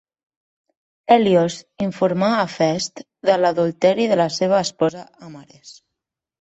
Hèlios informà Hefest de l'adulteri de la seua esposa amb Ares.